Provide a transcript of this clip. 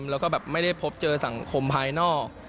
แล้วก็แบบไม่ได้พบเจอสังคมภายนอก